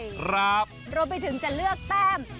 ครับรวมไปถึงจะเลือกแต้ม